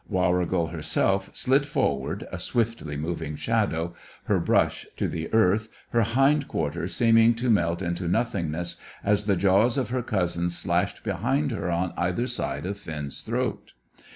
Warrigal herself slid forward, a swiftly moving shadow, her brush to the earth, her hind quarters seeming to melt into nothingness, as the jaws of her cousins flashed behind her on either side of Finn's throat.